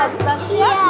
wah bagus banget ya